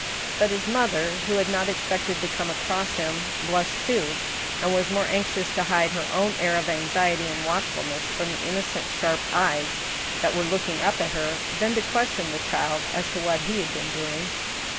But his 'mother, who had not expected to come across him, blushed too, and was more anxious to hide her own air of anxiety and watchfulness from the innocent, sharp eyes that were looking up at her, than to question the child as to what he had been doing.